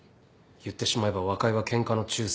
言ってしまえば和解はケンカの仲裁。